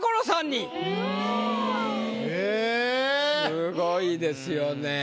すごいですよね。